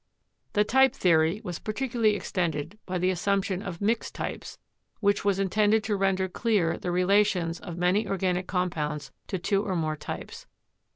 The type theory was ORGANIC CHEMISTRY 237 particularly extended by the assumption of "mixed types," which was intended to render clear the relations of many organic compounds to two or more types.